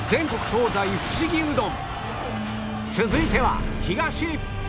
続いては東